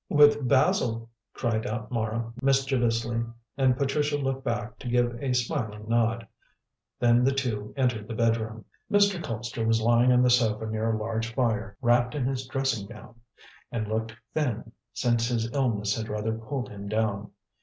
"With Basil!" cried out Mara mischievously; and Patricia looked back to give a smiling nod. Then the two entered the bedroom. Mr. Colpster was lying on the sofa near a large fire, wrapped in his dressing gown, and looked thin, since his illness had rather pulled him down.